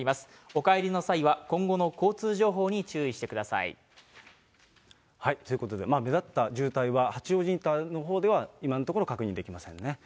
お帰りの際は、今後の交通情報に注意してください。ということで、目立った渋滞は、八王子インターのほうでは確認できませんね。